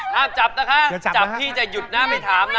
ห้ามจับนะคะจับที่จะหยุดหน้าไม่ถามนะ